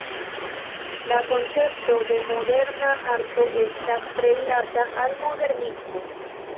La koncepto de moderna arto estas tre rilata al modernismo.